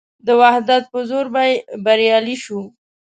د وحدت په زور به بریالي شو.